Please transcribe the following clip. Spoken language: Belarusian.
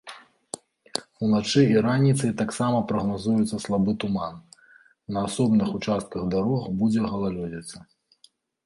Уначы і раніцай таксама прагназуецца слабы туман, на асобных участках дарог будзе галалёдзіца.